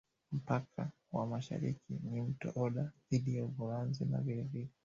Mpaka wa mashariki ni mto Oder dhidi ya Uholanzi na vilele